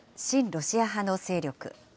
ロシア派の勢力。